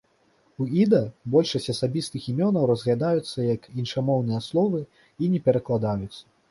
У іда большасць асабістых імёнаў разглядаюцца як іншамоўныя словы іне перакладаюцца.